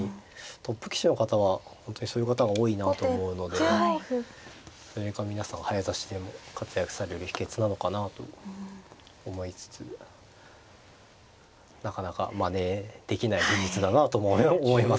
トップ棋士の方は本当にそういう方が多いなと思うのでそれが皆さん早指しでも活躍される秘けつなのかなと思いつつなかなかまねできない技術だなと思いますね。